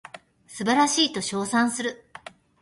素晴らしいと称賛する